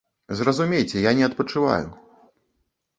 Зразумейце, я не адпачываю.